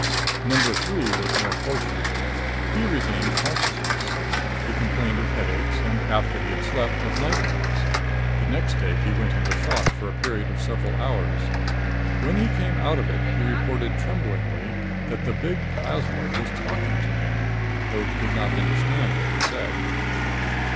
Number Three was more fortunate. He regained consciousness. He complained of headaches and, after he had slept, of nightmares. The next day he went into shock for a period of several hours. When he came out of it, he reported tremblingly that the big plasmoid was talking to him, though he could not understand what it said.